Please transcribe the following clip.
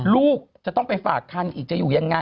ลูกจะต้องไปฝากคันอีกจะอยู่ยังไง